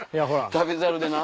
『旅猿』でな。